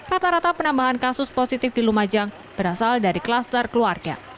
rata rata penambahan kasus positif di lumajang berasal dari kluster keluarga